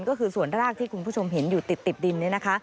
ก็คือส่วนรากที่คุณผู้ชมเห็นอยู่ติดดินนี้นะคะ